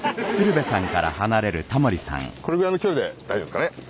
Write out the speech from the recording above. これぐらいの距離で大丈夫ですかね。